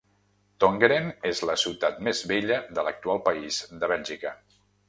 Tongeren és la ciutat més vella de l'actual país de Bèlgica.